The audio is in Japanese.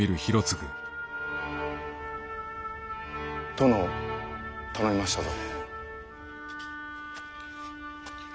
殿を頼みましたぞ。